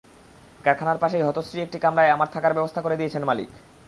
কারখানার পাশেই হতশ্রী একটি কামরায় আমার থাকার ব্যবস্থা করে দিয়েছেন মালিক।